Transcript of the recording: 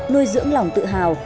nuôi dưỡng lòng tự hào